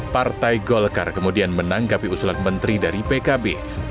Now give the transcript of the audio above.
partai golkar kemudian menanggapi usulan menteri dari pkb